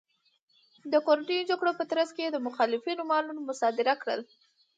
د کورنیو جګړو په ترڅ کې یې د مخالفینو مالونه مصادره کړل